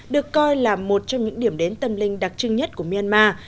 được coi là một trong những điểm đến tâm linh đặc trưng nhất của myanmar